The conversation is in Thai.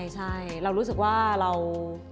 ใช่เรารู้สึกว่าเรา